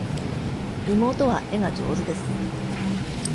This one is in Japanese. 妹は絵が上手です。